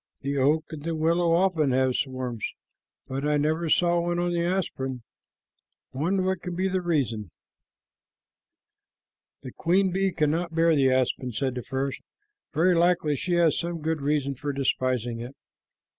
"The oak and the willow often have swarms, but I never saw one on the aspen. What can be the reason?" "The queen bee cannot bear the aspen," said the first. "Very likely she has some good reason for despising it.